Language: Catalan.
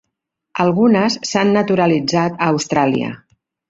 Algunes s'han naturalitzat a Austràlia.